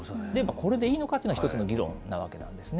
これでいいのかっていうのが一つの議論なわけなんですね。